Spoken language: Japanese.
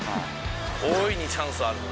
大いにチャンスはある。